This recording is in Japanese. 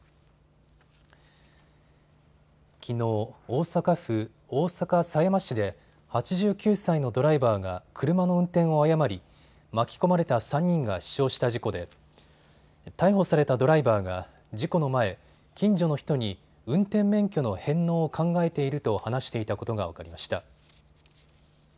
きのう、大阪府大阪狭山市で８９歳のドライバーが車の運転を誤り巻き込まれた３人が死傷した事故で逮捕されたドライバーが事故の前、近所の人に運転免許の返納を考えていると話していたことが分かりました。